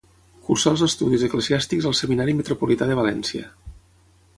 Cursà els estudis eclesiàstics al Seminari Metropolità de València.